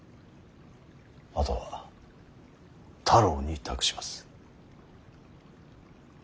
あとは太郎に託します。